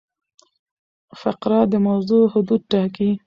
فقره د موضوع حدود ټاکي.